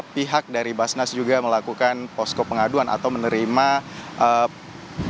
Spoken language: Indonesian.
pihak dari basnas juga melakukan posko pengaduan atau menerima pengumuman